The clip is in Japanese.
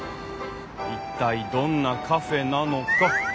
一体どんなカフェなのか。